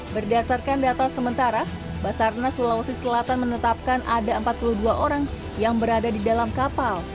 berdasarkan data sementara basarnas sulawesi selatan menetapkan ada empat puluh dua orang yang berada di dalam kapal